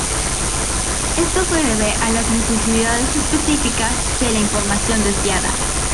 Esto se debe a las necesidades específicas de la información deseada.